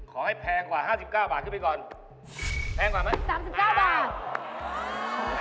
ขอให้แพงกว่า๕๙บาทขึ้นไปก่อน